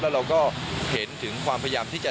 แล้วเราก็เห็นถึงความพยายามที่จะ